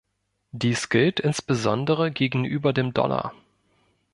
Dies gilt insbesondere gegenüber dem Dollar.